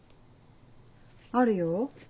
あるよ。